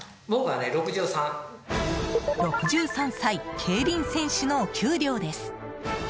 ６３歳、競輪選手のお給料です。